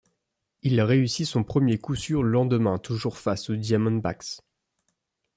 Il réussit son premier coup sûr le lendemain toujours face aux Diamondbacks.